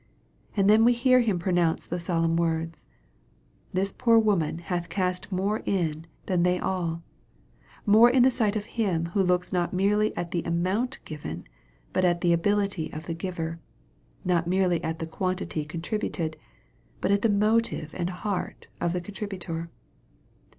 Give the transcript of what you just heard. And then we hear Him pronounce the solemn words, " This poor woman hath cast more in than they all" more in the sight of Him who looks not merely at the amount given, but at the ability of the giver not merely at the quantity contributed, but at the motive and heart of the contributor.